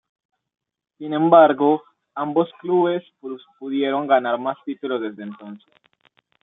Sin embargo, ambos clubes pudieron ganar más títulos desde entonces.